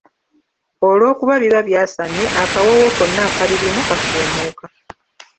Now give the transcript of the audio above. Olw'okuba biba byasame, akawoowo konna akabirimu kafumuuka.